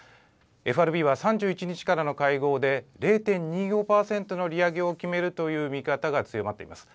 ＦＲＢは３１日からの会合で０．２５％の利上げを決めるという見方が強まっています。